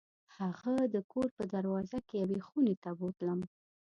هغه د کور په دروازه کې یوې خونې ته بوتلم.